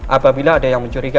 apabila ada yang mencurigakan